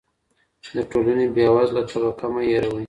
د ټولني بې وزله طبقه مه هېروئ.